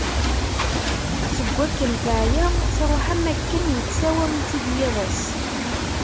Seg wakken teɛya, truḥ am wakken yettsawam-itt-id yiḍeṣ.